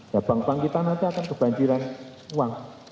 nah bank bank kita nanti akan kebanjiran uang